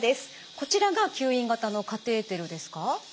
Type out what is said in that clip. こちらが吸引型のカテーテルですか？